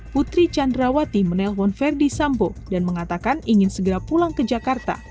putri candrawati menelpon verdi sambo dan mengatakan ingin segera pulang ke jakarta